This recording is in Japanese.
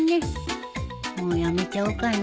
もうやめちゃおうかな